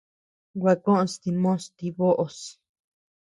Gua koʼös dimos ti böʼos.